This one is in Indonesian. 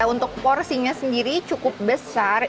untuk porsinya sendiri cukup besar